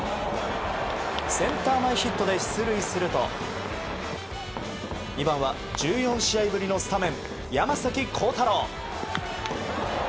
センター前ヒットで出塁すると２番は１４試合ぶりのスタメン山崎晃大朗。